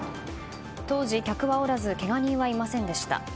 当時、客はおらずけが人はいませんでした。